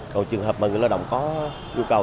trong trường hợp người lao động có nhu cầu